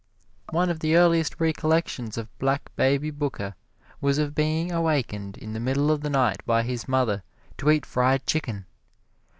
One of the earliest recollections of Black Baby Booker was of being awakened in the middle of the night by his mother to eat fried chicken.